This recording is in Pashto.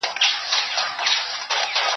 چي مېږي ته خدای په قار سي وزر ورکړي